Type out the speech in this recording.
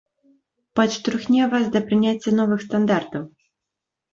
Падштурхне вас да прыняцця новых стандартаў.